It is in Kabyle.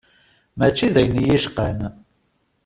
Mačči d ayen i y-icqan.